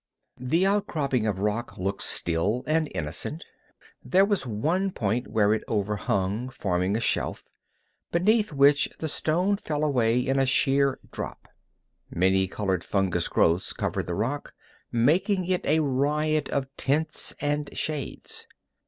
The outcropping of rock looked still and innocent. There was one point where it overhung, forming a shelf, beneath which the stone fell away in a sheer drop. Many colored fungus growths covered the rock, making it a riot of tints and shades.